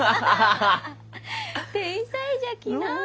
天才じゃきなあ。